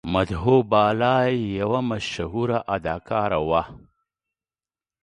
مدهو بالا یوه مشهوره اداکاره وه.